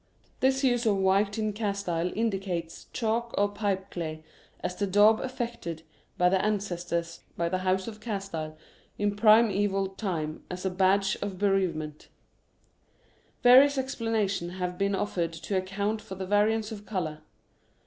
This use of white in Castile indicates chalk or pipeclay as the daub afiFected by the ancestors of the house of Castile in primeval time as a badge of bereavement Various explanations have been ofiFered to account for the variance of colour.